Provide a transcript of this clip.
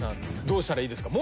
どうしたらいいですか？